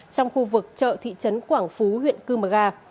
trong khu vực chợ thị trấn quảng phú huyện cư mờ ga